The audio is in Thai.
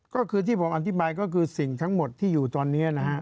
ก็คือที่ผมอธิบายก็คือสิ่งทั้งหมดที่อยู่ตอนนี้นะฮะ